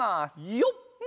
よっ！